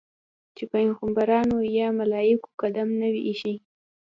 چې پیغمبرانو او یا ملایکو قدم نه وي ایښی.